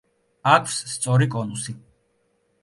აქვს სწორი კონუსი.